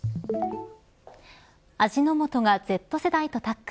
味の素がＺ世代とタッグ。